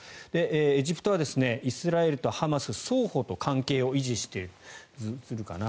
エジプトはイスラエルとハマス双方と関係を維持している。